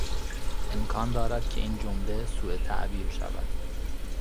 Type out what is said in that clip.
امکان دارد که این جمله سو تعبیر شود.